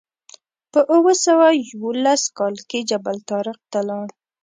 په اوه سوه یوولس کال کې جبل الطارق ته لاړ.